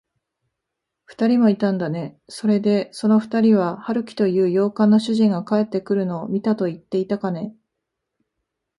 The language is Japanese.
ふたりもいたんだね。それで、そのふたりは、春木という洋館の主人が帰ってくるのを見たといっていたかね。